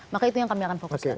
maka itu yang kami akan fokuskan